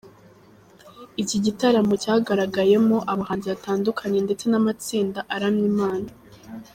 Iki gitaramo cyagaragayemo abahanzi batandukanye ndetse n’amatsinda aramya Imana.